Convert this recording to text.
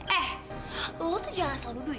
hei anda jangan selalu duduk ya